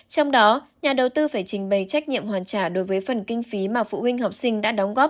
trong đó nhà đầu tư phải trình bày trách nhiệm hoàn trả đối với phần kinh phí mà phụ huynh học sinh đã đóng góp